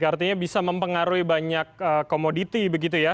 artinya bisa mempengaruhi banyak komoditi begitu ya